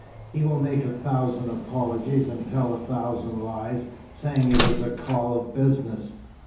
He will make a thousand apologies and tell a thousand lies, saying it is a call of business.